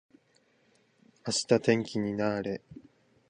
明日天気にな～れ。